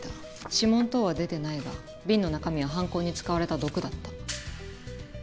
指紋等は出てないが瓶の中身は犯行に使われた毒だった。